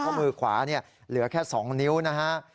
เพราะมือขวาเหลือแค่๒นิ้วนะฮะ